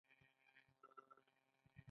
کونړ ډیر ځنګلونه لري